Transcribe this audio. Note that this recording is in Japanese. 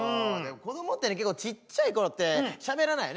子どもって結構ちっちゃい頃ってしゃべらないよね